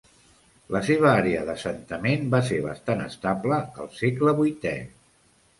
La seva àrea d'assentament va ser bastant estable al segle vuitè.